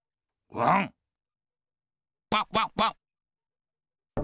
ワンワンワン。